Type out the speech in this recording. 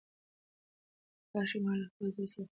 کاشکي ما له خپل زوی سره خبرې کړې وای.